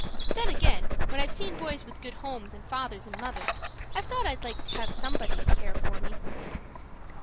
Then agin' when I've seen boys with good homes, and fathers, and mothers, I've thought I'd like to have somebody to care for me."